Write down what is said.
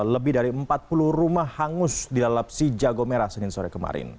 lebih dari empat puluh rumah hangus dilalap si jago merah senin sore kemarin